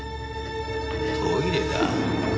トイレだ？